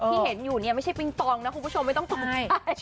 ที่เห็นอยู่เนี่ยไม่ใช่ปิงปองนะคุณผู้ชมไม่ต้องตาย